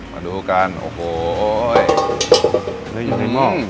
มาดูกันโอ้โฮ